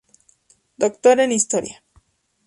Doctor en Historia.